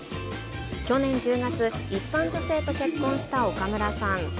去年１０月、一般女性と結婚した岡村さん。